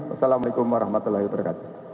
wassalamu'alaikum warahmatullahi wabarakatuh